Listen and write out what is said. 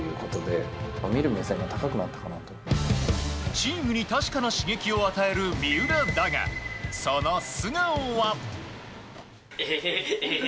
チームに確かな刺激を与える三浦だがその素顔は。